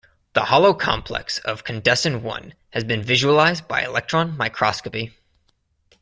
The holocomplex of condensin I has been visualized by electron microscopy.